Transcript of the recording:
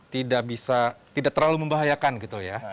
tidak bisa tidak terlalu membahayakan gitu ya